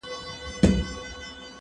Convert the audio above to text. زه اجازه لرم چي قلم استعمالوم کړم!.